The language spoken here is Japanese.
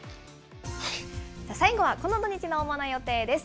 最後はこの土日の主な予定です。